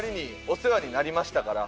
お世話になりましたんで。